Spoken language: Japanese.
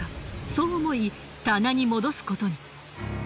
そう思い棚に戻すことに。